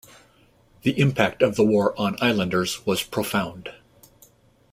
The impact of the war on islanders was profound.